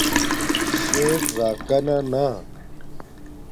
شیر راکانا نا